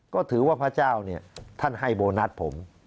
ก็ถือว่าพระเจ้าเนี่ยท่านให้โบนัสผม